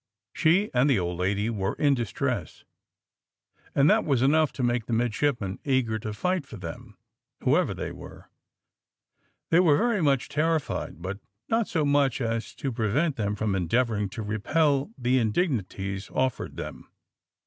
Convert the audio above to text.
She and the old lady were in distress, and that was enough to make the midshipmen eager to fight for them, whoever they were. They were very much terrified, but not so much so as to prevent them from endeavouring to repel the indignities offered them.